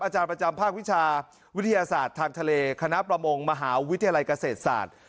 อาจารย์ประจำภาควิชาวิทยาศาสตร์ทางทะเลคณะประมงมหาวิทยาลัยเกษตรศาสตร์